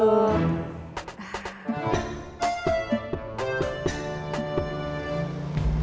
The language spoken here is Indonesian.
oh seperti itu